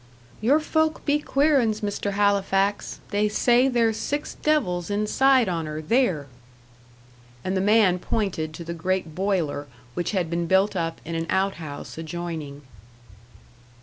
"Your folk be queer 'uns, Mr. Halifax. They say there's six devils inside on her, theer." And the man pointed to the great boiler which had been built up in an out house adjoining.